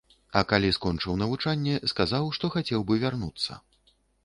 А калі скончыў навучанне, сказаў, што хацеў бы вярнуцца.